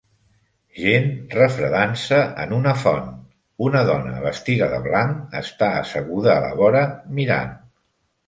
Gent refredant-se en una font, una dona vestida de blanc està asseguda a la vora mirant